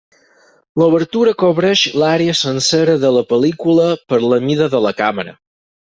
L'obertura cobreix l'àrea sencera de la pel·lícula per la mida de la càmera.